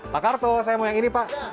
pak karto saya mau yang ini pak